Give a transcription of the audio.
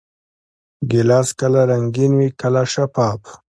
ګیلاس کله رنګین وي، کله شفاف.